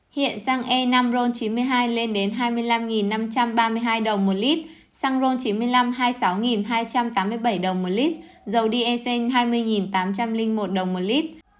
hiện săng e năm ron chín mươi hai lên đến hai mươi năm năm trăm ba mươi hai đồng một lit săng ron chín mươi năm hai mươi sáu hai trăm tám mươi bảy đồng một lit dầu dsn hai mươi tám trăm linh một đồng một lit